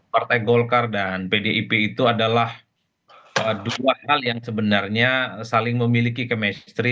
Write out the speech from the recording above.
partai golkar dan pdip itu adalah dua hal yang sebenarnya saling memiliki chemistry